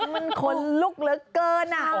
มันคนลึกเหลือเกินอ่ะ